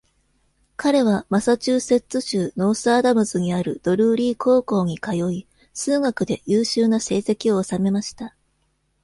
彼はマサチューセッツ州ノース・アダムズにあるドルーリー高校に通い、数学で優秀な成績を収めました。